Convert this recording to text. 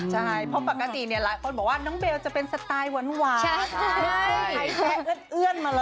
ใช่เพราะปกติเนี่ยหลายคนบอกว่าน้องเบลจะเป็นสไตล์หวาน